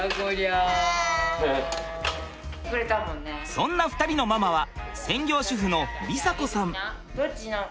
そんな２人のママは専業主婦の理早子さん。